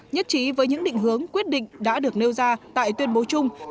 nhất trí với những định hướng quyết định đã được nêu ra tại tuyên bố chung